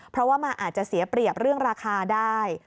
เพราะว่ามันอาจจะเสียเปรียบเรื่องราคาได้